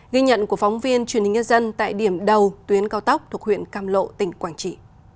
ghi nhận của phóng viên truyền hình nhân dân tại điểm đầu tuyến cao tốc thuộc huyện cam lộ tỉnh quảng trị